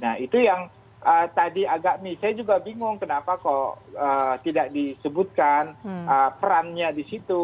nah itu yang tadi agak nih saya juga bingung kenapa kok tidak disebutkan perannya di situ